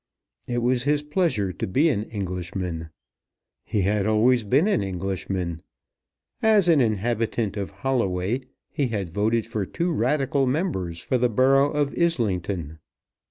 It was his pleasure to be an Englishman. He had always been an Englishman. As an inhabitant of Holloway he had voted for two Radical members for the Borough of Islington.